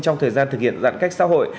trong thời gian thực hiện giãn cách xã hội